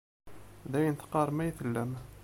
D ayen teqqarem ay tellam.